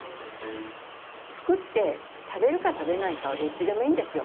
作って食べるか食べないかはどっちでもいいんですよ。